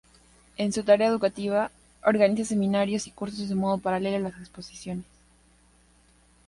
En su tarea educativa, organiza seminarios y cursos de modo paralelo a las exposiciones.